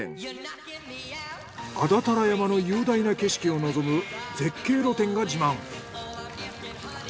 安達太良山の雄大な景色を望む絶景露天が自慢。